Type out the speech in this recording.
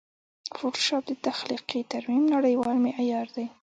فوټوشاپ د تخلیقي ترمیم نړېوال معیار دی.